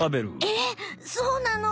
えそうなの？